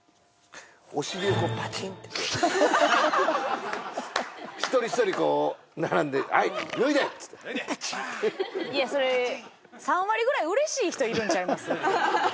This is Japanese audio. お尻をこうパチンって一人一人こう並んで「はい脱いで」っつっていやそれ３割ぐらい嬉しい人いるんちゃいます？